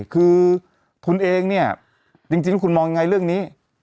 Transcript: คือคุณเองจริงคุณมองยังไงเรื่องนี้